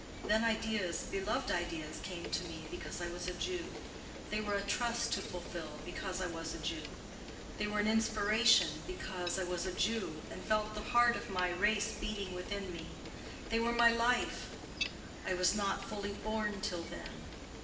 Then ideas, beloved ideas, came to me, because I was a Jew. They were a trust to fulfill, because I was a Jew. They were an inspiration, because I was a Jew, and felt the heart of my race beating within me. They were my life; I was not fully born till then.